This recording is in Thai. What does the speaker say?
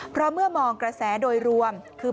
เพราะเมื่อมองกระแสโดยรวมคือ